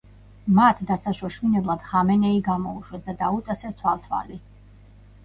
მათ დასაშოშმინებლად ხამენეი გამოუშვეს და დაუწესეს თვალთვალი.